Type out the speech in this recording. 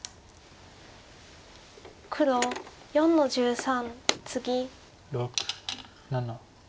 黒４の十三ツギ。